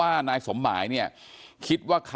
พันให้หมดตั้ง๓คนเลยพันให้หมดตั้ง๓คนเลย